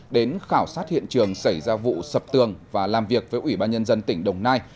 đến khảo sát hiện trường xảy ra vụ sập tường và làm việc với ủy ban nhân dân tỉnh đồng nai